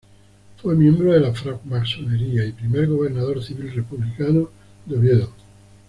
Fue miembro de la francmasonería y primer gobernador civil republicano de Oviedo.